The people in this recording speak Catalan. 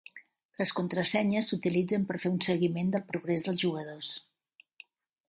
Les contrasenyes s'utilitzen per fer un seguiment del progrés dels jugadors.